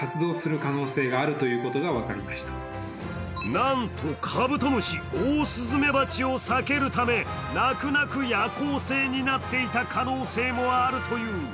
なんとカブトムシ、オオスズメバチを避けるため泣く泣く夜行性になっていた可能性もあるという。